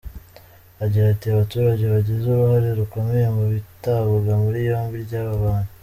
Agira ati :”Abaturage bagize uruhare rukomeye mu itabwa muri yombi ry’aba bantu.